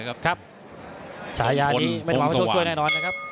ส่วนฝนโฮงสวานคือแชยานี้ไม่ต้องหวังว่าโชคชวนแน่นอนนะครับ